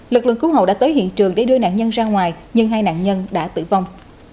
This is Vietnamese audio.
lực lượng cứu hộ đã tới hiện trường để đưa nạn nhân ra ngoài nhưng hai nạn nhân đã tử vong